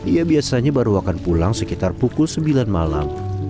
ia biasanya baru akan pulang sekitar pukul sembilan malam